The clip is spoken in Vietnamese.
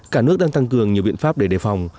cả nước đang tăng cường nhiều biện pháp để đề phòng